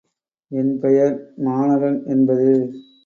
என் பெயர் மாணகன் என்பது.